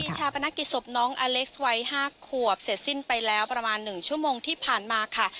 ชาปนกิจศพน้องอเล็กซ์วัย๕ขวบเสร็จสิ้นไปแล้วประมาณ๑ชั่วโมงที่ผ่านมาค่ะ